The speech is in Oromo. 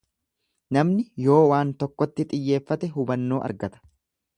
Namni yoo waan tokkotti xiyyeeffate hubannoo argata.